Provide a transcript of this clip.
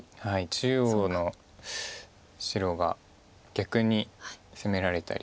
中央の白が逆に攻められたり。